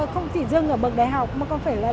không chỉ dừng ở bậc đại học mà còn phải là